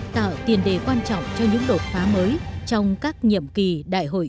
tạo tiền đề quan trọng cho những đột phá mới